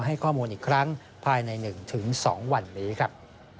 อีกครั้งภายใน๑๒วันนี้ครับ